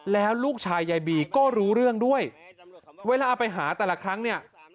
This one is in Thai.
แล้วลูกชายยายบีก็รู้เรื่องด้วยเวลาไปหาแต่ละครั้งเนี่ย